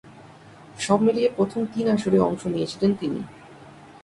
সবমিলিয়ে প্রথম তিন আসরে অংশ নিয়েছিলেন তিনি।